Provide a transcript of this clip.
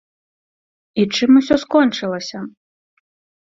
І чым усё скончылася?